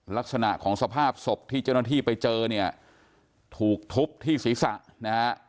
ลักษณะของสภาพศพที่เจ้าหน้าที่ไปเจอเนี่ยถูกทุบที่ศีรษะนะฮะ